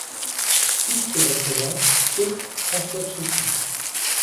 Tous se représentent, sauf François Trucy.